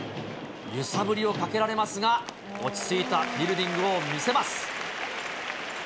揺さぶりをかけられますが、落ち着いたフィールディングを見せます。